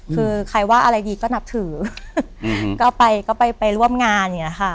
คือใครว่าอะไรดีก็นับถือก็ไปก็ไปไปร่วมงานอย่างนี้ค่ะ